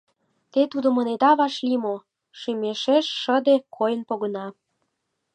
— Те тудым ынеда вашлий мо? — шӱмешем шыде койын погына.